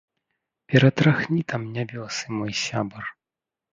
Ператрахні там нябёсы, мой сябар.